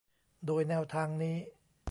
โดยแนวทางนี้